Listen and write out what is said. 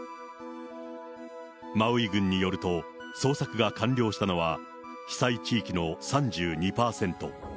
マウイ郡によると、捜索が完了したのは、被災地域の３２％。